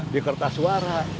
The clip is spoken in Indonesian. di kertas suara